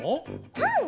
パン？